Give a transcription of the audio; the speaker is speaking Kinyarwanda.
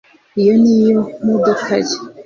iyo niyo modoka ye